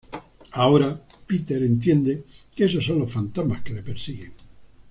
Ahora Peter entiende que esos son los fantasmas que le persiguen.